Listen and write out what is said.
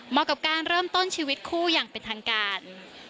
กับการเริ่มต้นชีวิตคู่อย่างเป็นทางการ